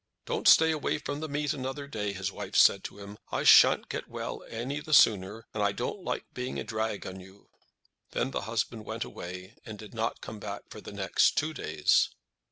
"Don't stay away from the meet another day," his wife said to him; "I shan't get well any the sooner, and I don't like being a drag upon you." Then the husband went away, and did not come for the next two days.